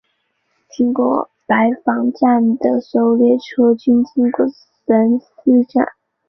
经过兰斯白房站的所有列车均经过兰斯站。